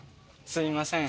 すみません。